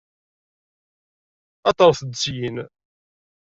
Aṭret-d syin!